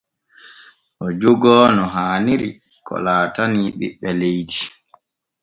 O jogoo no haaniri ko laatanii ɓiɓɓe leydi.